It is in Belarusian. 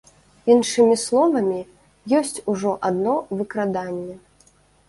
Іншымі словамі, ёсць ужо адно выкраданне.